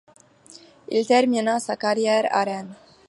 Il termina sa carrière à Rennes.